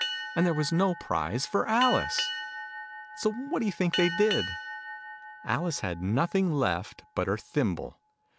And there was no prize for Alice! So what do you think they did? Alice had nothing left but her thimble.